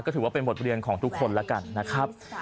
ถือว่าเป็นบทเรียนของทุกคนแล้วกันนะครับ